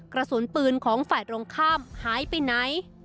กระสุนปืนของฝ่ายตรงข้ามหายไปไหน